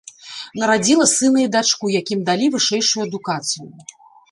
Нарадзіла сына і дачку, якім далі вышэйшую адукацыю.